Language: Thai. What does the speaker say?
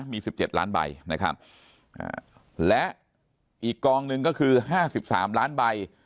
มีสิบเจ็ดล้านใบนะครับอ่าและอีกกองหนึ่งก็คือห้าสิบสามล้านใบ